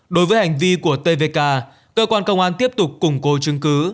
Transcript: đối với hành vi của tvk cơ quan công an tiếp tục củng cố chứng cứ